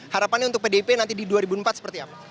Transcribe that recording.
harapannya untuk pdip nanti di dua ribu empat seperti apa